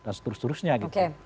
dan seterusnya gitu